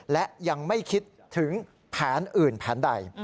และยังไม่คิดถึงแผนอื่นแผนใด